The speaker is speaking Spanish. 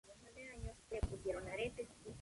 Su padre Bulbul fue un famoso músico de Azerbaiyán.